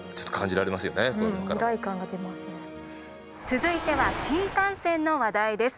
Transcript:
続いては新幹線の話題です。